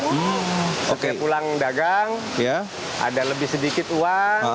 oke pulang dagang ada lebih sedikit uang